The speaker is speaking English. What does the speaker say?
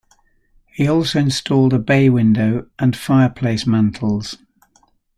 He also installed a bay window and fireplace mantles.